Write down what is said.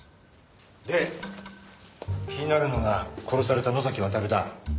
で気になるのが殺された能崎亘だ。